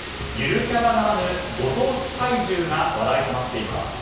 ゆるキャラならぬご当地怪獣が話題となっています。